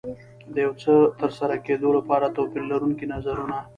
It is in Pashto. د یو څه ترسره کېدو لپاره توپير لرونکي نظرونه.